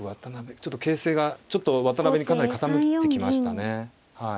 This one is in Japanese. ちょっと形勢がちょっと渡辺にかなり傾いてきましたねはい。